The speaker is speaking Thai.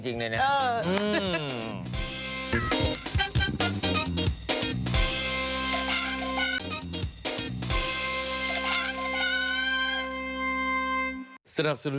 เขาเลยท่าขั้นไปแล้วพี่มีดู